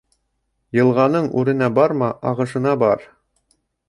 Йылғаның үренә барма, ағышына бар.